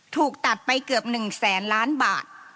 ถูกตัดไปเกือบ๑แสนล้านบาท